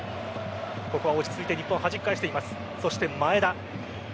ここは落ち着いて日本はじき返しています。